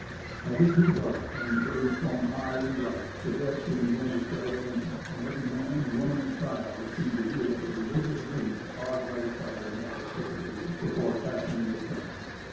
As it grew dark and the blaze shone high and bright, the guests would begin to straggle in; and every man, woman and child seemed to view it as a religious duty to pause by the fire, and add a stick or two, before 42 Woodcraft. passing into camp.